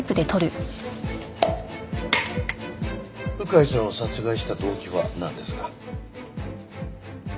鵜飼さんを殺害した動機はなんですか？